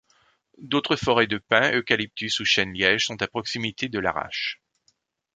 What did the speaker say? D'autres forêts de pins, eucalyptus ou chênes-liège sont à proximité de Larache.